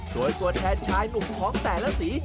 โดยตัวแทนชายหนุ่มของแต่ละสี